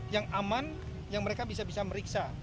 yang aman yang mereka bisa bisa meriksa